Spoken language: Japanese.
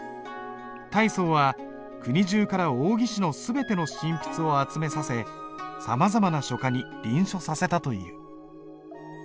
太宗は国中から王羲之の全ての真筆を集めさせさまざまな書家に臨書させたという。